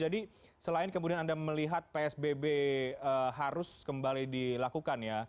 jadi selain kemudian anda melihat psbb harus kembali dilakukan ya